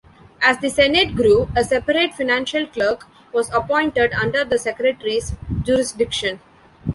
As the Senate grew, a separate financial clerk was appointed under the secretary's jurisdiction.